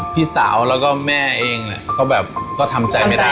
พี่สาวแล้วก็แม่เองก็แบบก็ทำใจไม่ได้